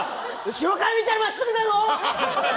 後ろから見たら真っすぐだろ！